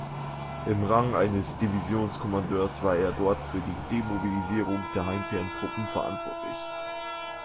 Im Rang eines Divisionskommandeurs war er dort für die Demobilisierung der heimkehrenden Truppen verantwortlich.